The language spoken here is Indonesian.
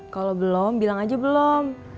kalau belum bilang aja belum